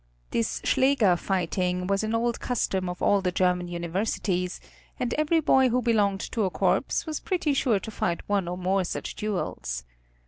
This schläger fighting was an old custom of all the German universities, and every boy who belonged to a corps was pretty sure to fight one or more such duels.